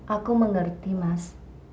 aku mengerti mas